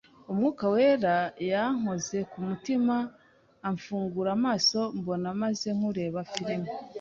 Umwuka Wera yankoze ku mutima… amfungura amaso mbona meze nk’ureba film.